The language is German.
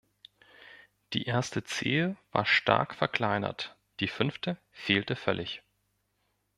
Die erste Zehe war stark verkleinert, die fünfte fehlte völlig.